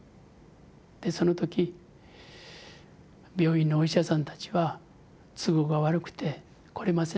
その時病院のお医者さんたちは都合が悪くて来れませんでした。